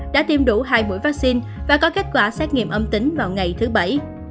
đã tiêm đủ hai mũi vaccine và có kết quả xét nghiệm âm tính vào ngày thứ bảy